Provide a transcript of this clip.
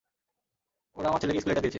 ওরা আমার ছেলেকে স্কুলে এটা দিয়েছে।